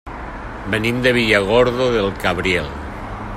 Venim de Villargordo del Cabriel.